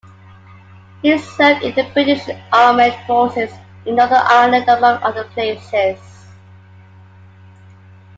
He served in the British Armed Forces in Northern Ireland, among other places.